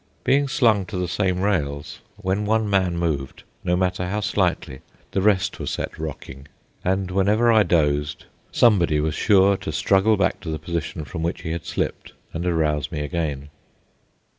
Being slung to the same rails, when one man moved, no matter how slightly, the rest were set rocking; and whenever I dozed somebody was sure to struggle back to the position from which he had slipped, and arouse me again.